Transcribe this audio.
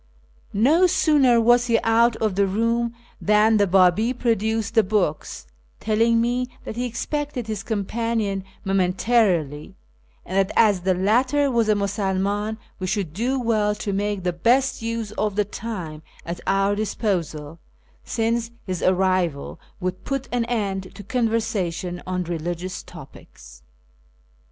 No sooner was he out of the room than the Babi produced the books, telling me that he expected his companion moment arily, and that as the latter was a Musulman we should do well to make the best use of the time at our disposal, since his arrival would put an end to conversation on religious topics.